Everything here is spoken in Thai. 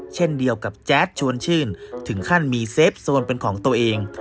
เช่นเดียวกับแจ๊ดชวนชื่นถึงขั้นมีเซฟโซนเป็นของตัวเอง